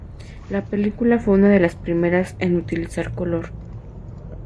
La película fue una de las primeras en utilizar color.